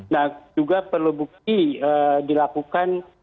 nah juga perlu bukti dilakukan